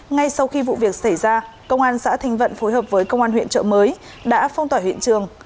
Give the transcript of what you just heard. ngay sau khi vụ việc xảy ra công an xã thanh vận phối hợp với công an huyện trợ mới đã phong tỏa hiện trường